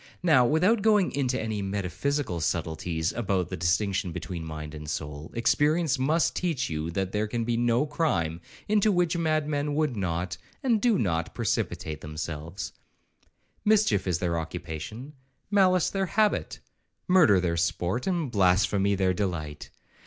Now, without going into any metaphysical subtleties about the distinction between mind and soul, experience must teach you, that there can be no crime into which madmen would not, and do not precipitate themselves; mischief is their occupation, malice their habit, murder their sport, and blasphemy their delight.